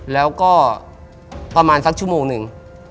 แล้วก็ประมาณสักชั่วโมงหนึ่ง